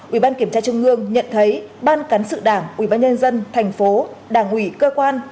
ủy ban kiểm tra trung ương nhận thấy ban cán sự đảng ủy ban nhân dân tp đảng ủy cơ quan